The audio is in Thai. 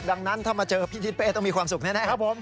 ดังนั้นถ้ามาเจอพี่ทิศเป้ต้องมีความสุขแน่ครับผม